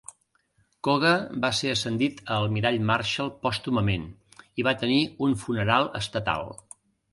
Koga va ser ascendit a almirall Marshall pòstumament i va tenir un funeral estatal.